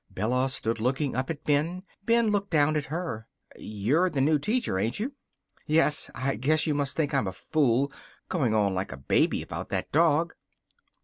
Bella stood looking up at Ben. Ben looked down at her. "You're the new teacher, ain't you?" "Yes. I guess you must think I'm a fool, going on like a baby about that dog."